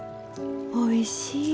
おいしい。